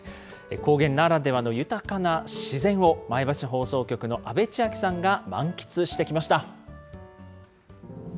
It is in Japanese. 高原ならではの豊かな自然を、前橋放送局の阿部千明さんが満喫